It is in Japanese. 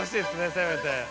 せめて。